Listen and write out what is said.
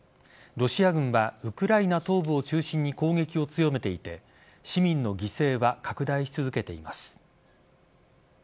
ロシア軍はウクライナ東部を中心に攻撃を強めていて市民の犠牲は拡大し続けています。